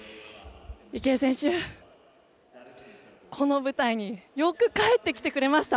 池江選手、この舞台によく帰ってきてくれました。